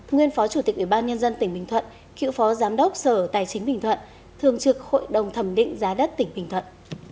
nguyên phó chủ tịch ubnd tp bình thuận cựu phó giám đốc sở tài chính tp bình thuận thường trực hội đồng thẩm định giá đất tp bình thuận